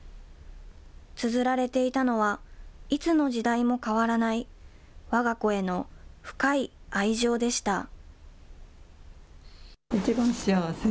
つづられていたのは、いつの時代も変わらない、わが子への深い愛情でした。